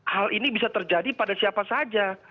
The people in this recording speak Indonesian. hal ini bisa terjadi pada siapa saja